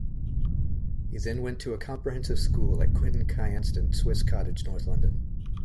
He then went to a comprehensive school at Quintin Kynaston, Swiss Cottage, North London.